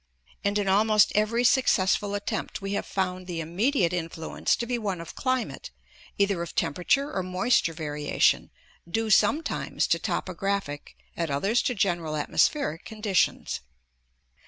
And in almost every successful attempt we have found the immediate influence to be one of climate, either of temperature or moisture variation, due sometimes to topographic, at others to general atmospheric conditions.